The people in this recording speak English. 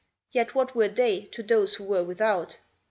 Yet what were they to those who were without